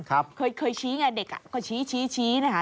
เคยชี้ไงเด็กอะเคยชี้นะคะ